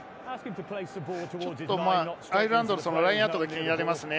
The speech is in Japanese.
ちょっとアイルランドのラインアウトが気になりますね。